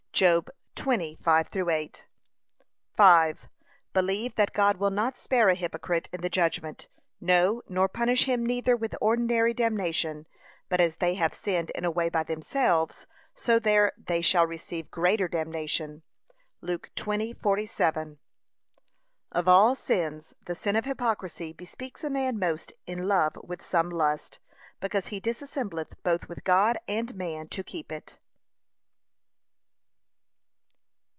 (Job 20:5 8) 5. Believe that God will not spare a hypocrite in the judgment, no, nor punish him neither with ordinary damnation; but as they have here sinned in a way by themselves, so there they shall receive greater damnation. (Luke 20:47) Of all sins, the sin of hypocrisy bespeaks a man most in love with some lust, because he dissembleth both with God and man to keep it.